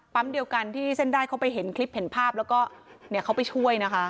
เดียวกันที่เส้นได้เขาไปเห็นคลิปเห็นภาพแล้วก็เขาไปช่วยนะคะ